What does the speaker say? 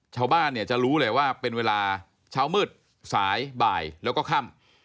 ชาวบ้านเนี่ยจะรู้เลยว่าเป็นเวลาเช้ามืดสายบ่ายแล้วก็ค่ำ